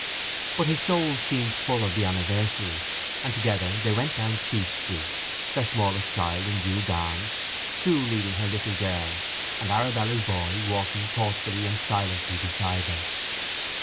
But his soul seemed full of the anniversary, and together they went down Chief Street, their smallest child in Jude's arms, Sue leading her little girl, and Arabella's boy walking thoughtfully and silently beside them.